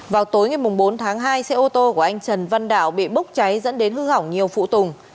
vào tối ngày bốn tháng hai xe ô tô của anh trần văn đạo bị bốc cháy dẫn đến hư hỏng nhiều phụ tùng